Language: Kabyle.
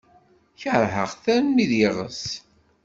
Keṛheɣ-t armi d iɣes.